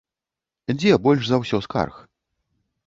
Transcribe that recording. Дзе больш за ўсё скарг?